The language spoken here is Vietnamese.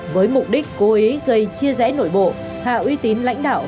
với mục đích cố ý gây chia rẽ nội bộ hạ uy tín lãnh đạo